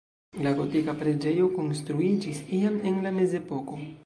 La gotika preĝejo konstruiĝis iam en la mezepoko.